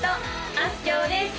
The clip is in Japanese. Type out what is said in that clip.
あすきょうです